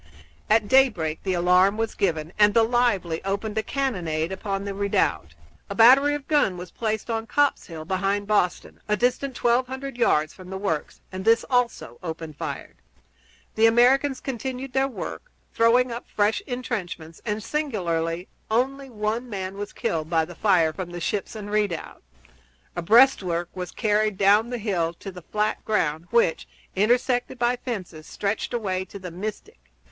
At daybreak the alarm was given, and the Lively opened a cannonade upon the redoubt. A battery of guns was placed on Copp's Hill, behind Boston, distant twelve hundred yards from the works, and this, also, opened fire. The Americans continued their work, throwing up fresh intrenchments; and, singularly, only one man was killed by the fire from the ships and redoubt. A breastwork was carried down the hill to the flat ground which, intersected by fences, stretched away to the Mystic.